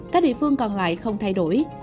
các địa phương còn lại không thay đổi